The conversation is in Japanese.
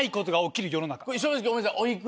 これ正直ごめんなさい。